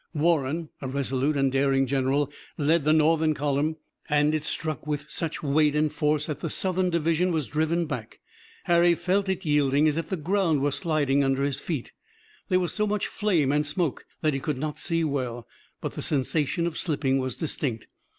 Warren, a resolute and daring general, led the Northern column and it struck with such weight and force that the Southern division was driven back. Harry felt it yielding, as if the ground were sliding under his feet. There was so much flame and smoke that he could not see well, but the sensation of slipping was distinct.